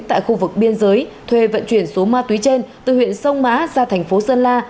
tại khu vực biên giới thuê vận chuyển số ma túy trên từ huyện sông mã ra thành phố sơn la